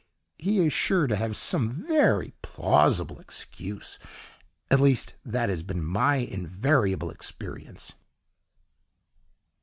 he is sure to have some very plausible excuse; at least, that has been my invariable experience.